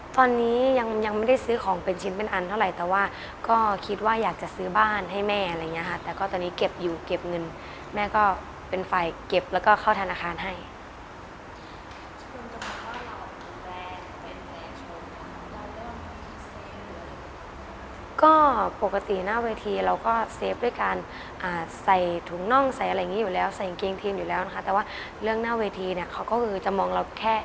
ตอนนี้ยังไม่ได้ซื้อของเป็นชิ้นเป็นอันเท่าไหร่ตอนนี้ยังไม่ได้ซื้อของเป็นชิ้นเป็นอันเท่าไหร่ตอนนี้ยังไม่ได้ซื้อของเป็นชิ้นเป็นอันเท่าไหร่ตอนนี้ยังไม่ได้ซื้อของเป็นชิ้นเป็นอันเท่าไหร่ตอนนี้ยังไม่ได้ซื้อของเป็นชิ้นเป็นอันเท่าไหร่ตอนนี้ยังไม่ได้ซื้อของเป็นชิ้นเป็นอันเ